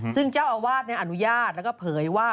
ซึ่งเจ้าอาวาสอนุญาตแล้วก็เผยว่า